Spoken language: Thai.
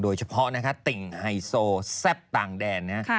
โดยเฉพาะติ่งไฮโซแซ่บต่างแดน